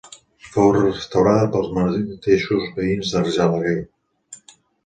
Fou restaurada pels mateixos veïns d'Argelaguer.